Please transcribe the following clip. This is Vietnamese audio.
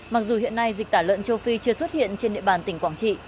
mặc dù hiện nay dịch tả lợn châu phi chưa xuất hiện trên địa bàn tỉnh quảng trị